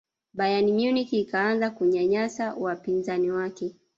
bayern munich ikaanza kunyanyasa wapinzani wake